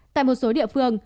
tại một số địa phương